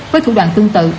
với thủ đoạn tương tự